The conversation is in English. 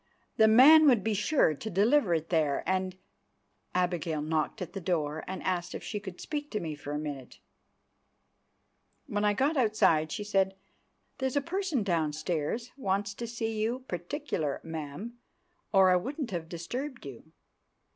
"The man would be sure to deliver it there, and——" Abigail knocked at the door and asked if she could speak to me for a minute. When I got outside she said, "There's a person downstairs wants to see you particular, ma'am, or I wouldn't have disturbed you."